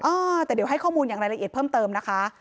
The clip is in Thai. อ่าแต่เดี๋ยวให้ข้อมูลอย่างละเอียดเพิ่มเติมนะคะ